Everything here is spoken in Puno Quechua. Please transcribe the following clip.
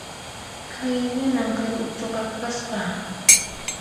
Hayallañan kay uchuqa kasqa